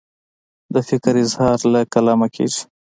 د فکر اظهار له قلمه کیږي.